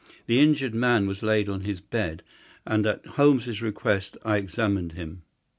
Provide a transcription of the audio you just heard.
The injured man was laid on his bed, and at Holmes's request I examined him.